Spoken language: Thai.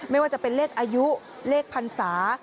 ไม่ว่าจะเป็นเลขอายุเลขพันศา